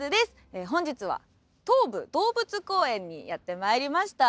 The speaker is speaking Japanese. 本日は東武動物公園にやって参りました。